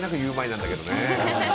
なんだけどね。